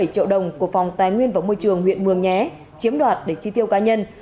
sáu mươi bảy triệu đồng của phòng tài nguyên và môi trường huyện mường nhé chiếm đoạt để tri tiêu cá nhân